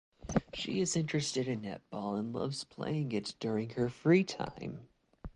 She is interested in netball and loves playing it during her free time.